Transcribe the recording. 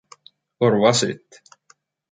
Or was it?